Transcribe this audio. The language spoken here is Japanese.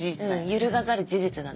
揺るがざる事実だね。